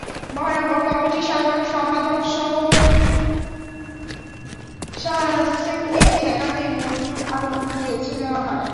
মহানগর কমিটির সাধারণ সম্পাদক শাহাদাৎ হোসেনকে ঠেকাতেই মনজুর আলমকে বেছে নেওয়া হয়।